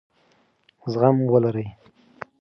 زغم ولرئ.